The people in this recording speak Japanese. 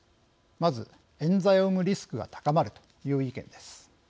まず、えん罪を生むリスクが高まるという意見です。